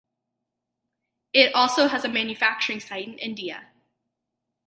It also has a manufacturing site in India.